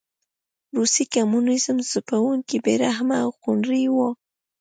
روسي کمونېزم ځپونکی، بې رحمه او خونړی و.